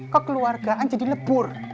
kekeluargaan jadi lebur